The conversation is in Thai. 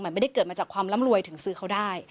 มันไม่ได้เกิดมาจากความร่ำรวยถึงซื้อเขาได้